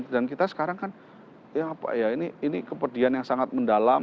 dan kita sekarang kan ya apa ya ini kepedian yang sangat mendalam